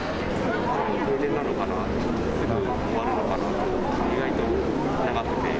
停電なのかなって、すぐ終わるのかなって、意外と長くて。